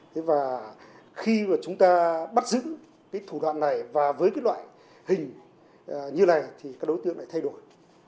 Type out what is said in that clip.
thế và khi mà chúng ta bắt giữ cái thủ đoạn này và với cái loại hình như này thì các đối tượng lại thay đổi